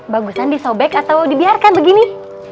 bagusan disobek atau dibiarkan begini